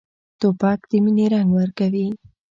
توپک د مینې رنګ ورکوي.